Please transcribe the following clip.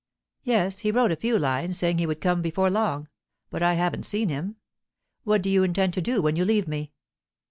"Yes; he wrote a few lines saying he would come before long. But I haven't seen him. What do you intend to do when you leave me?"